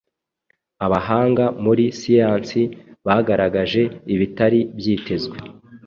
Abahanga muri siyansi bagaragaje ibitari byitezwe